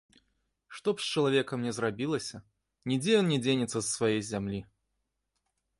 Што б з чалавекам ні зрабілася, нідзе ён не дзенецца з свае зямлі.